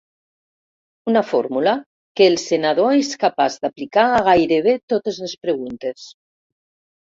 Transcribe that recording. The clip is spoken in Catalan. Una fórmula que el senador és capaç d'aplicar a gairebé totes les preguntes.